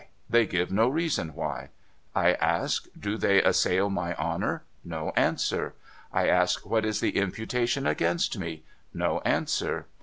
They give no reason why. I ask, do they assail my honour ? No answer. I ask, what is the imputation against me ? No answer.